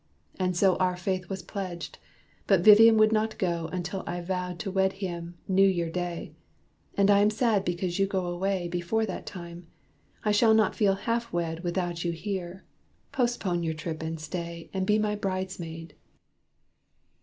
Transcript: And so Our faith was pledged. But Vivian would not go Until I vowed to wed him New Year day. And I am sad because you go away Before that time. I shall not feel half wed Without you here. Postpone your trip and stay, And be my bridesmaid."